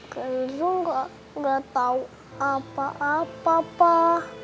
kenzo gak tau apa apa pak